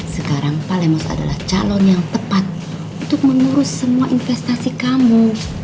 sekarang pak lemos adalah calon yang tepat untuk menurus semua investasi kamu